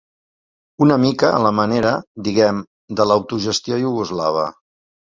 Una mica a la manera, diguem, de l'autogestió iugoslava.